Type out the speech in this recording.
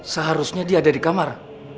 seharusnya dia ada di kamar